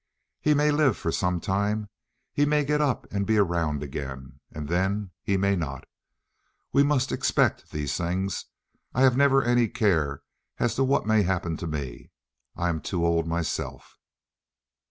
He may live for some time. He may get up and be around again, and then he may not. We must all expect these things. I have never any care as to what may happen to me. I am too old myself."